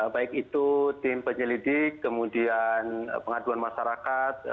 baik itu tim penyelidik kemudian pengaduan masyarakat